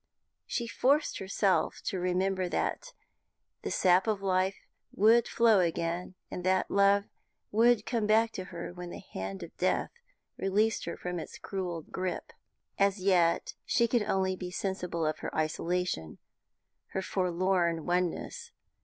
She forced herself to remember that the sap of life would flow again, that love would come back to her when the hand of death released her from its cruel grip; as yet she could only be sensible of her isolation, her forlorn oneness.